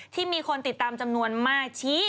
ที่มีคนติดตามจำนวนมากชี้